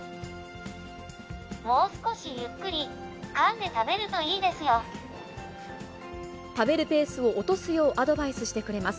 もう少しゆっくりかんで食べ食べるペースを落とすようアドバイスしてくれます。